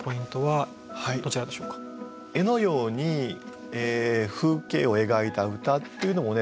絵のように風景を描いた歌っていうのもね